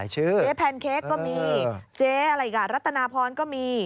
เจ๊แพนเค้กก็มีเจ๊อะไรอีกรัตนาพรก็มี